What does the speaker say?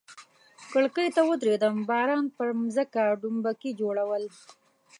کړکۍ ته ودریدم، باران پر مځکه ډومبکي جوړول.